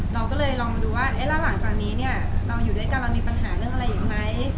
เราก็เลยลองดูว่าแล้วหลังจากนี้เนี่ยเราอยู่ด้วยกันเรามีปัญหาเรื่องอะไรอีกไหม